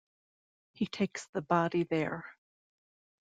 He takes the body there.